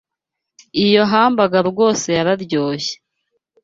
Iyo hamburger rwose yararyoshye.